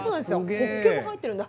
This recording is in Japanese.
ホッケも入ってるんだ。